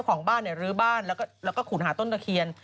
ของบ้านรื้อบ้านแล้วก็ขุนหาต้นตะเคียน